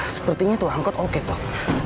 sepertinya tuh angkot oke toh